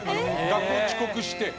学校遅刻して。